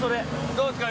どうですか？